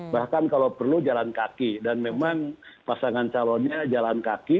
bahkan kalau perlu jalan kaki dan memang pasangan calonnya jalan kaki